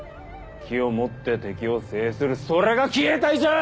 奇をもって敵を制するそれが奇兵隊じゃ！